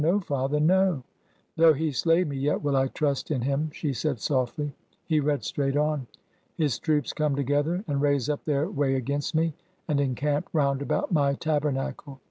No, father, no !' Though He slay me, yet will I trust in Him,' " she said softly. He read straight on. His troops come together, and raise up their way against me, and encamp round about my tabernacle.